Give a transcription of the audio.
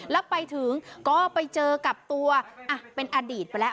แล้วไปถึงก็ไปเจอกับตัวเป็นอดีตไปแล้ว